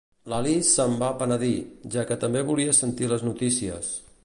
L'Alice se'n va penedir, ja que també volia sentir les notícies.